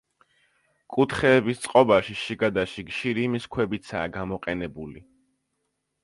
კუთხეების წყობაში, შიგადაშიგ, შირიმის ქვებიცაა გამოყენებული.